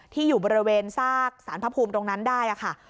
อยู่บริเวณซากสารพระภูมิตรงนั้นได้ค่ะ